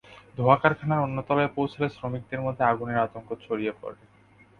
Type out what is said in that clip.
ধোঁয়া কারখানার অন্য তলায় পৌঁছালে শ্রমিকদের মধ্যে আগুনের আতঙ্ক ছড়িয়ে পড়ে।